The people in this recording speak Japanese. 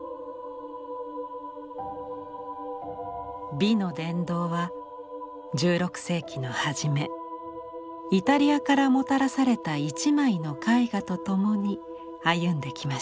美の殿堂は１６世紀の初めイタリアからもたらされた一枚の絵画と共に歩んできました。